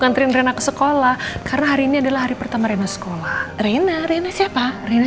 ngantrin rena ke sekolah karena hari ini adalah hari pertama rina sekolah rina rina siapa rina